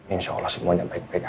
insya allah semuanya baik baik